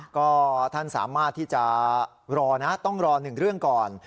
ก็ท่านสามารถที่จะรอนะต้องรอหนึ่งเรื่องก่อน